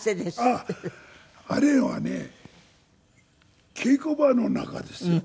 あっあれはね稽古場の中ですよ。